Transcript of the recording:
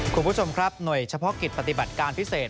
คุณผู้ชมครับหน่วยเฉพาะกิจปฏิบัติการพิเศษ